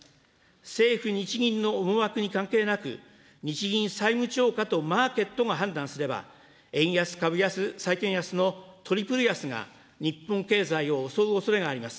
政府・日銀の思惑に関係なく、日銀債務超過とマーケットが判断すれば、円安・株安・債券安のトリプル安が、日本経済を襲うおそれがあります。